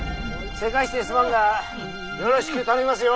せかしてすまんがよろしく頼みますよ。